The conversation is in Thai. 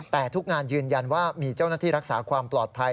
แต่ทุกงานยืนยันว่ามีเจ้าหน้าที่รักษาความปลอดภัย